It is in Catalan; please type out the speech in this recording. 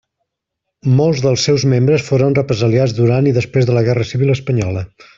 Molts dels seus membres foren represaliats durant i després de la Guerra Civil espanyola.